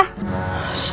hmm enak juga ya